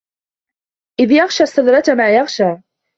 إِذ يَغشَى السِّدرَةَ ما يَغشى